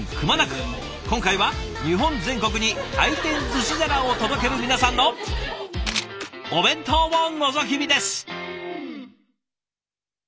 今回は日本全国に回転寿司皿を届ける皆さんのお弁当をのぞき見です！